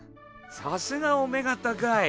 さすがお目が高い！